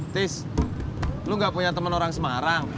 tis lu gak punya temen orang semarang